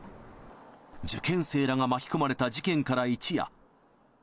受験生らが巻き込まれた事件から一夜。